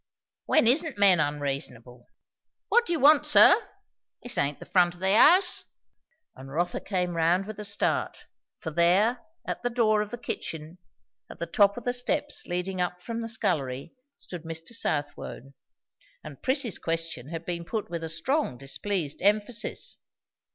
"When isn't men unreasonable? What do you want, sir? This aint the front o' the house." And Rotha came round with a start, for there, at the door of the kitchen, at the top of the steps leading up from the scullery, stood Mr. Southwode; and Prissy's question had been put with a strong displeased emphasis.